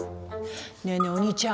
「ねぇねぇお兄ちゃん